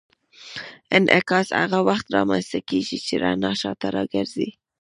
انعکاس هغه وخت رامنځته کېږي چې رڼا شاته راګرځي.